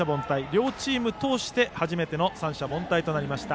両チーム通して初めての三者凡退となりました。